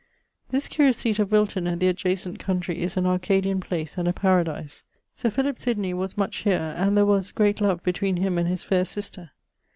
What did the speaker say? This curious seate of Wilton and the adjacent countrey is an Arcadian place and a paradise. Sir Philip Sydney was much here, and there was ... great love between him and his faire sister